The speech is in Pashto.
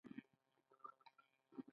الله اکبر